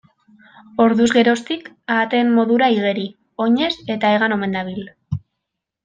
Orduz geroztik, ahateen modura igeri, oinez eta hegan omen dabil.